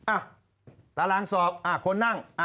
ตารางสอบคนนั่ง